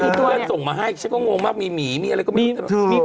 เพื่อนส่งมาให้ฉันก็งงมากมีหมีมีอะไรก็มี